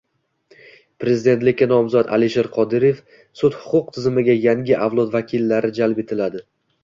Prezidentlikka nomzod Alisher Qodirov “Sud-huquq tizimiga yangi avlod vakillari jalb etiladi”